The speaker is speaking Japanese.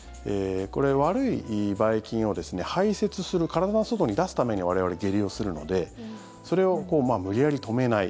悪いばい菌を排せつする体の外に出すために我々、下痢をするのでそれを無理やり止めない。